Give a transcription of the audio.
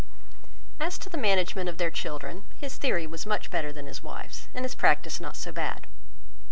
As to the management of their children, his theory was much better than his wife's, and his practice not so bad.